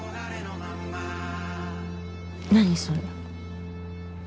何それ？